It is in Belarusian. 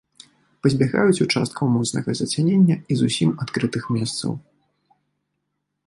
Пазбягаюць участкаў моцнага зацянення і зусім адкрытых месцаў.